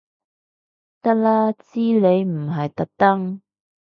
得啦知你唔係特登